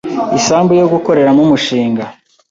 isambu yo gukoreramo umushinga